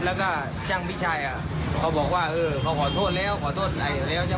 แล้วก็ช่างพี่ชายอ่ะเขาบอกว่าเออเขาขอโทษแล้วขอโทษแล้ว